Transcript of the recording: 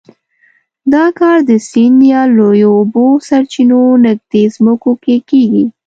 دا کار د سیند یا لویو اوبو سرچینو نږدې ځمکو کې کېږي.